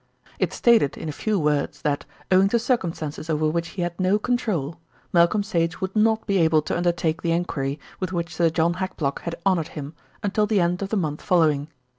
It stated in a few words that, owing to circumstances over which he had no control, Malcolm Sage would not be able to undertake the enquiry with which Sir John Hackblock had honoured him until the end of the month following.